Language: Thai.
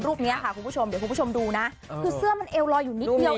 ค่ะคุณผู้ชมเดี๋ยวคุณผู้ชมดูนะคือเสื้อมันเอวลอยอยู่นิดเดียว